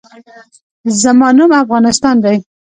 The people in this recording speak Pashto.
زما نوم افغانستان دی